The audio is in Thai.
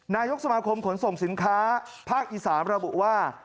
นายกสมาคมขนส่งสินค้าภาคอีสานระบุว่า